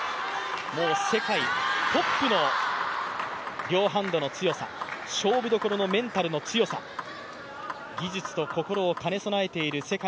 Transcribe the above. もう世界トップの両ハンドの強さ勝負どころのメンタルの強さ、技術と心を兼ね備えている世界